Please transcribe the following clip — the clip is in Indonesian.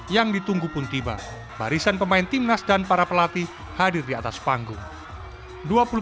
yang ditunggu pun tiba barisan pemain timnas dan para pelatih hadir di atas panggung